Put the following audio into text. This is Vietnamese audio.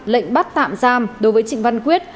lệnh bắt tạm giam đối với trịnh văn quyết